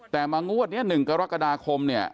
แต่มางวด๑กรกฎาคม